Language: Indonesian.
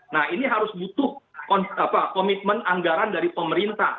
nah ini harus butuh komitmen anggaran dari pemerintah